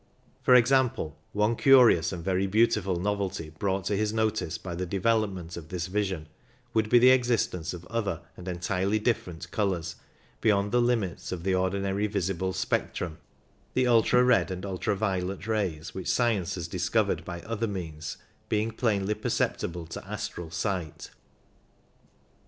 F'or example, one curious and very beautiful novelty brought to his notice by the development of this vision would be the existence of other and entirely different colours beyond the limits of the ordinarily visible spectrum, the ultra red and ultra violet rays which science has dis covered by other means being plainly perceptible to astral sight.